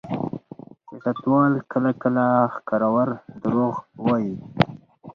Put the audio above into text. سیاستوال کله کله ښکرور دروغ وايي.